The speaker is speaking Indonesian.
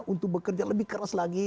untuk bekerja lebih keras lagi